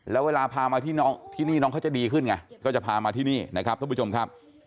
แล้วเวลาพามาที่น้องที่นี่น้องเขาจะดีขึ้นไงก็จะพามาที่นี่นะครับทุกผู้ชมครับ